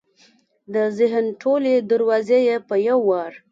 د ذهن ټولې دروازې یې په یو وار